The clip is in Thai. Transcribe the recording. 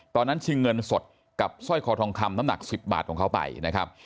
ชิงเงินสดกับสร้อยคอทองคำน้ำหนัก๑๐บาทของเขาไปนะครับ